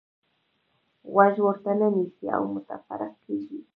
غوږ ورته نه نیسئ او متفرق کېږئ.